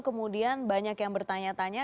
kemudian banyak yang bertanya tanya